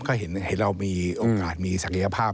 ก็เห็นเรามีโอกาสมีศักยภาพ